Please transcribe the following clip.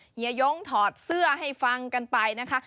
เฮียยงถอดเสื้อให้ฟังกันไปนะคะ